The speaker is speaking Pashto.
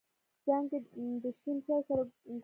څانگې له شین چای سره گوړه راوړې.